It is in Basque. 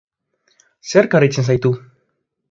Zerk harritzen zaitu?